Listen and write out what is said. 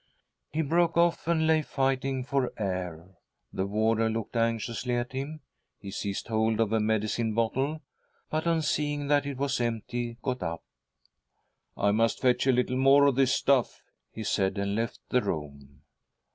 He broke off and lay fighting for air. The warder looked anxiously at him. He seized hold of a THE STRUGGLE OF A SOUL 147 medicine bottle, but, on seeing that it was empty, got up. "I must fetch a little more of this stuff," he said, and left the room.